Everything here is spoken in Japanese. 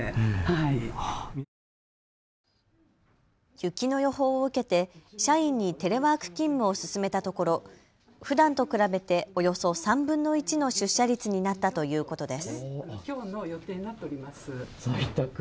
雪の予報を受けて社員にテレワーク勤務を勧めたところふだんと比べておよそ３分の１の出社率になったということです。